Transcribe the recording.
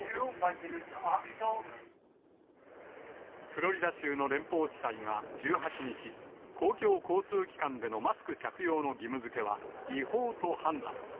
フロリダ州の連邦地裁が１８日、公共交通機関でのマスク着用の義務づけは、違法と判断。